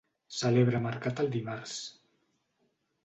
Celebra mercat el dimarts.